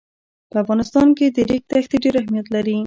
په افغانستان کې د ریګ دښتې ډېر اهمیت لري.